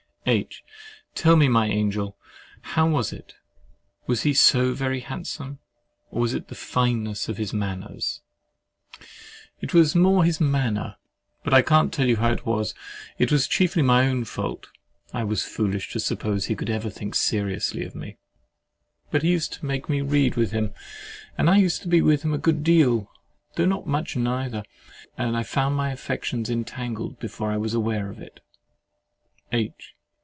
H. Tell me, my angel, how was it? Was he so very handsome? Or was it the fineness of his manners? S. It was more his manner: but I can't tell how it was. It was chiefly my own fault. I was foolish to suppose he could ever think seriously of me. But he used to make me read with him—and I used to be with him a good deal, though not much neither—and I found my affections entangled before I was aware of it. H.